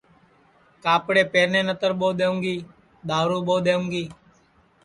کاپڑے پہرنے نتر ٻو دؔونگی دؔارو ٻو دؔونگی